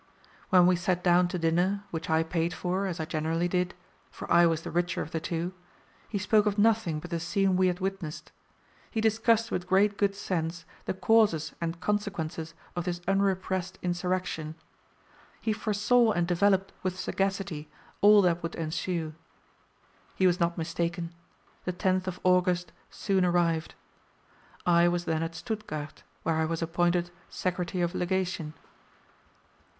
When we sat down to dinner, which I paid for, as I generally did, for I was the richer of the two, he spoke of nothing but the scene we had witnessed. He discussed with great good sense the causes and consequences of this unrepressed insurrection. He foresaw and developed with sagacity all that would ensue. He was not mistaken. The 10th of August soon arrived. I was then at Stuttgart, where I was appointed Secretary of Legation.